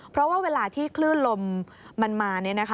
เพราะว่าเวลาที่คลื่นลมมันมา